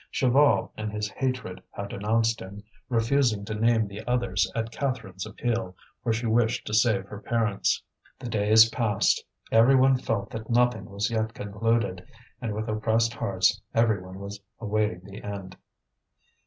Chaval, in his hatred, had denounced him, refusing to name the others at Catherine's appeal, for she wished to save her parents. The days passed, every one felt that nothing was yet concluded; and with oppressed hearts every one was awaiting the end.